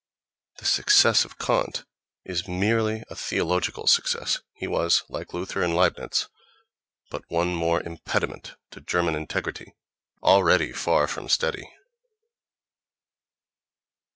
The success of Kant is merely a theological success; he was, like Luther and Leibnitz, but one more impediment to German integrity, already far from steady.